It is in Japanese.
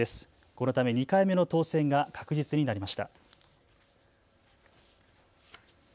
このため２回目の当選が確実になりました。